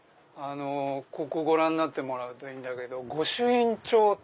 ここご覧になってもらうといいんだけど御朱印帳と。